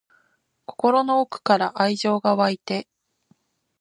心の奥から愛情が湧いて